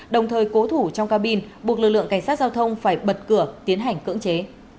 đồng thời cố thủ trong cabin buộc lực lượng cảnh sát giao thông phải bật cửa tiến hành cưỡng chế